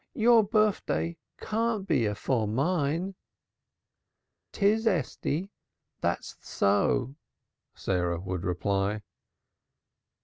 "Your birfday can't be afore mine." "'Tis, Esty thays so," Sarah would reply.